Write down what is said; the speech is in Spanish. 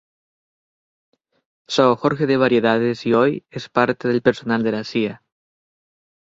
São Jorge de Variedades y hoy es parte del personal de la Cía.